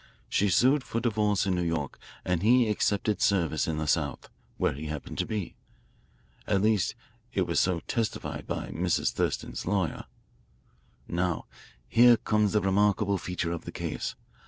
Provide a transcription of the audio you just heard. She sued for divorce in New York, and he accepted service in the South, where he happened to be. At least it was so testified by Mrs. Thurston's lawyer. "Now here comes the remarkable feature of the case.